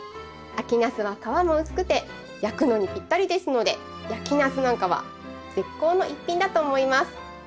秋ナスは皮も薄くて焼くのにぴったりですので焼きナスなんかは絶好の一品だと思います。